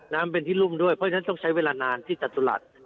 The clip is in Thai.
น้ำเป็นที่รุ่มด้วยเพราะฉะนั้นต้องใช้เวลานานที่จตุรัส